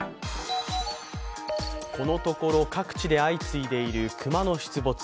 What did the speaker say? このところ各地で相次いでいる熊の出没。